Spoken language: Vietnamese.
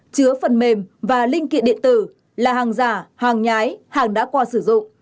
chứa phần mềm và linh kiện điện tử là hàng giả hàng nhái hàng đã qua sử dụng